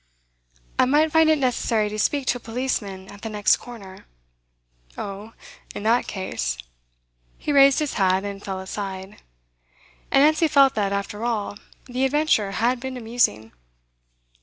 'I might find it necessary to speak to a policeman at the next corner.' 'Oh, in that case.' He raised his hat, and fell aside. And Nancy felt that, after all, the adventure had been amusing.